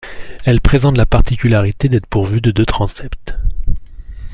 Elle présente la particularité d'être pourvue de deux transepts.